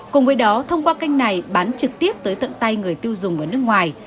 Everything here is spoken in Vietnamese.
cùng với đó thông qua kênh này bán trực tiếp tới tận tay người tiêu dùng ở nước ngoài